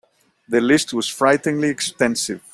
The list was frighteningly extensive.